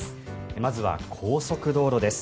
まずは高速道路です。